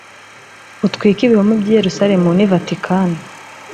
utwike ibihome by i yerusalemu ni vatikani